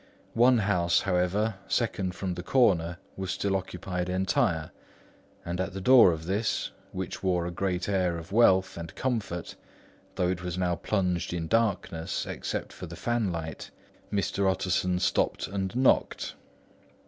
One house, however, second from the corner, was still occupied entire; and at the door of this, which wore a great air of wealth and comfort, though it was now plunged in darkness except for the fanlight, Mr. Utterson stopped and knocked.